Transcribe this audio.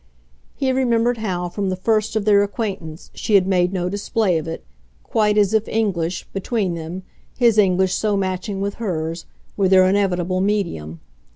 He remembered how, from the first of their acquaintance, she had made no display of it, quite as if English, between them, his English so matching with hers, were their inevitable medium.